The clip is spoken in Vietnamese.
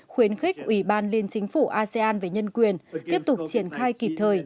khuyến khích ủy ban liên chính phủ asean về nhân quyền tiếp tục triển khai kịp thời